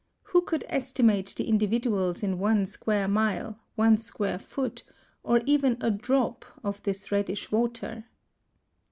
Who could estimate the individuals in one square mile, one square foot, or even a drop of this reddish water?